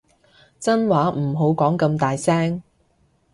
真話唔好講咁大聲